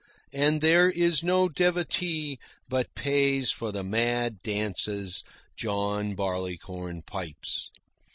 And there is no devotee but pays for the mad dances John Barleycorn pipes.